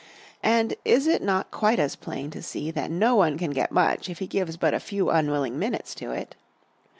And is it not quite as plain to see that no one can get much if he gives but a few unwilling minutes to it?